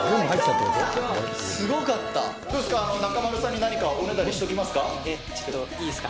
どうですか、中丸さんに何かおねだりしておきますか？